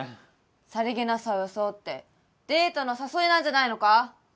さりげなさを装ってデートの誘いなんじゃないのか？